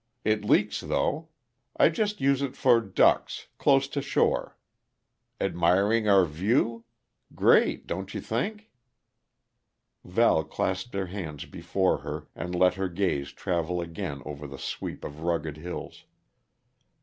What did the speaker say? It leaks, though. I just use it for ducks, close to shore. Admiring our view? Great, don't you think?" Val clasped her hands before her and let her gaze travel again over the sweep of rugged hills.